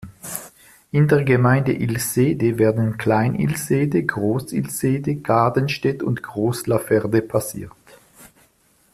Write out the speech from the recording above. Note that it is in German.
In der Gemeinde Ilsede werden Klein Ilsede, Groß Ilsede, Gadenstedt und Groß Lafferde passiert.